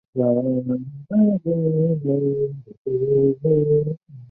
大熊座移动星群